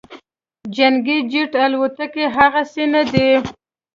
جنګي جیټ الوتکې هغسې نه دي